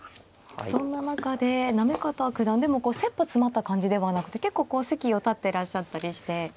そんな中で行方九段でもこうせっぱ詰まった感じではなくて結構こう席を立ってらっしゃったりして。